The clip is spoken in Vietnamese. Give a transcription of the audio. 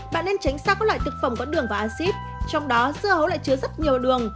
bạn nên tránh xa các loại thực phẩm có đường và acid trong đó dưa hấu lại chứa rất nhiều đường